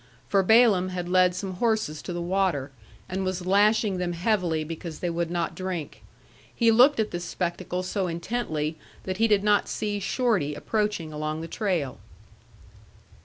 For Balaam had led some horses to the water, and was lashing them heavily because they would not drink. He looked at this spectacle so intently that he did not see Shorty approaching along the trail.